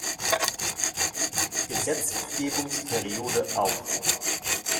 Gesetzgebungsperiode auf.